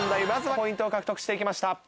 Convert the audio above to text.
まずはポイントを獲得して行きました。